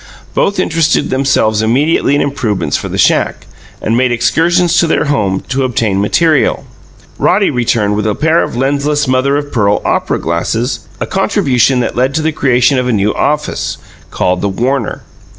Both interested themselves immediately in improvements for the shack, and made excursions to their homes to obtain materials. Roddy returned with a pair of lensless mother of pearl opera glasses, a contribution that led to the creation of a new office, called the "warner".